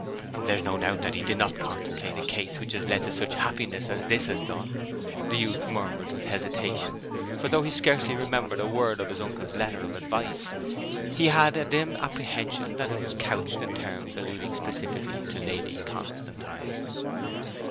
'There is no doubt that he did not contemplate a case which has led to such happiness as this has done,' the youth murmured with hesitation; for though he scarcely remembered a word of his uncle's letter of advice, he had a dim apprehension that it was couched in terms alluding specifically to Lady Constantine.